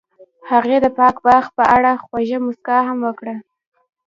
هغې د پاک باغ په اړه خوږه موسکا هم وکړه.